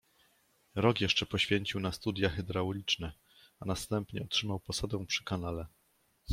Rok jeszcze poświęcił na studia hydrauliczne, a następnie otrzymał posadę przy kanale.